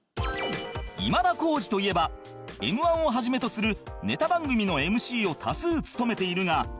今田耕司といえば『Ｍ−１』を始めとするネタ番組の ＭＣ を多数務めているが